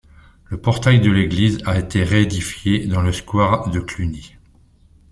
Le portail de l'église a été réédifié dans le square de Cluny.